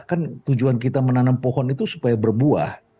kan tujuan kita menanam pohon itu supaya berbuah